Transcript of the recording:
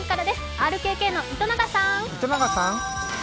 ＲＫＫの糸永さん。